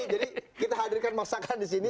jadi kita hadirkan masakan disini